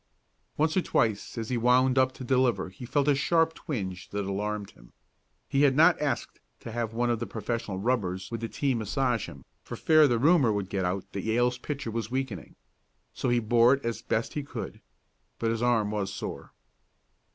Once or twice as he wound up to deliver he felt a sharp twinge that alarmed him. He had not asked to have one of the professional rubbers with the team massage him, for fear the rumor would get out that Yale's pitcher was weakening. So he bore it as best he could. But his arm was sore.